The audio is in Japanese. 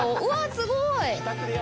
すごい！